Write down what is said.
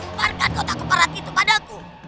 lemparkan kotak kepala kitu padaku